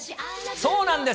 そうなんです。